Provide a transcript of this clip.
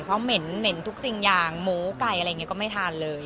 เพราะเหม็นทุกสิ่งอย่างหมูไก่อะไรอย่างนี้ก็ไม่ทานเลย